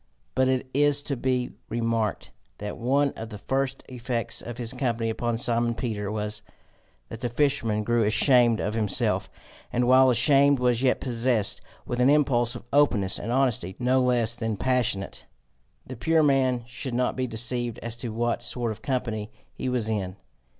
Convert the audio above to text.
But it is to be remarked that one of the first effects of his company upon Simon Peter was, that the fisherman grew ashamed of himself, and while ashamed was yet possessed with an impulse of openness and honesty no less than passionate. The pure man should not be deceived as to what sort of company he was in!